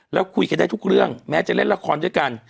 แล้วคุยกันได้ทุกเรื่องแม้จะเล่นละครด้วยกัน